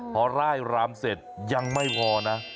พอร่ายรำเสร็จยังไม่พอนะ